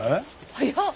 早っ！